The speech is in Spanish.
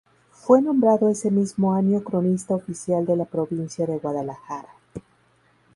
Fue nombrado ese mismo año Cronista Oficial de la Provincia de Guadalajara.